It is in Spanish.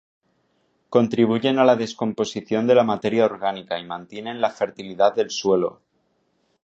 Contribuyen a la descomposición de la materia orgánica y mantienen la fertilidad del suelo.